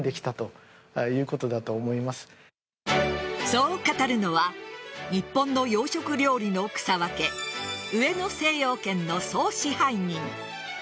そう語るのは日本の洋食料理の草分け上野精養軒の総支配人。